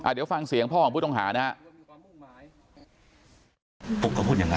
เดี๋ยวฟังเสียงพ่อของผู้ต้องหานะครับ